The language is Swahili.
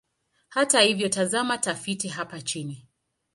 Hata hivyo, tazama tafiti hapa chini.